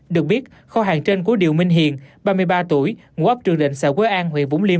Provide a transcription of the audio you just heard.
được biết kho hàng trên của điều minh hiền ba mươi ba tuổi ngụ ấp trường định xã quế an huyện vũng liêm